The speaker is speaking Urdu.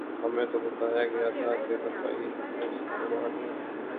ہمیں تو بتایا گیا تھا کہ صفائی نصف ایمان ہے۔